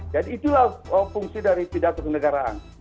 dan itulah fungsi dari pidato kenegaraan